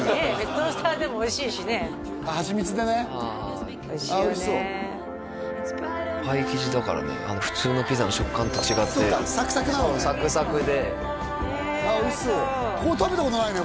トースターでもおいしいしね蜂蜜でねああおいしそうパイ生地だからね普通のピザの食感と違ってそっかサクサクなのねそうサクサクでああおいしそう食べたことないね